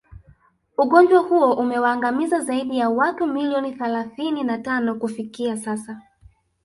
Ugonjwa huo umewaangamiza zaidi ya watu milioni thalathini na tano kufikia sasa